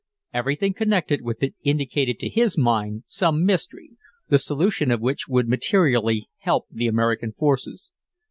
Everything connected with it indicated to his mind some mystery, the solution of which would materially help the American forces.